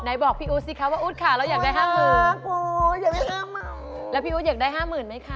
ไหนบอกพี่อู๋สิคะว่าอุ๊ดค่ะเราอยากได้ห้าหมื่นแล้วพี่อู๋อยากได้ห้าหมื่นไหมค่ะ